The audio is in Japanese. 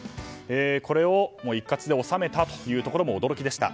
これを一括で納めたところも驚きでした。